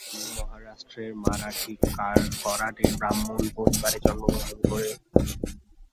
তিনি মহারাষ্ট্রের মারাঠী করাডে ব্রাহ্মণ পরিবারে জন্মগ্রহণ করেন।